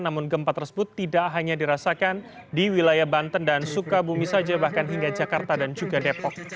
namun gempa tersebut tidak hanya dirasakan di wilayah banten dan sukabumi saja bahkan hingga jakarta dan juga depok